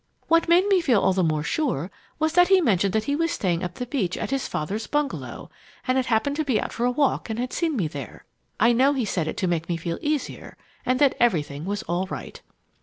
What made me feel all the more sure was that he mentioned that he was staying up the beach at his father's bungalow, and had happened to be out for a walk and had seen me there. I know he said it to make me feel easier, and that everything was all right.